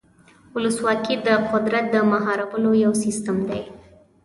ولسواکي د قدرت د مهارولو یو سیستم دی.